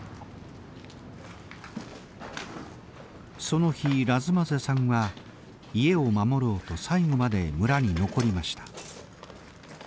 その日ラズマゼさんは家を守ろうと最後まで村に残りました。